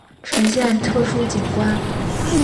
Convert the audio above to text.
呈现特殊景观